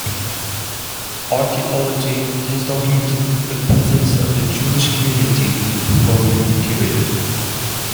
Archaeology has documented the presence of a Jewish community in the Roman period.